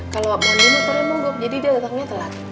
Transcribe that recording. kalau mandi motornya mogok jadi dia datangnya telat